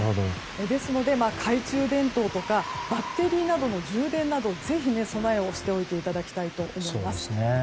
ですので、懐中電灯とかバッテリーの充電などぜひ備えをしておいていただきたいと思います。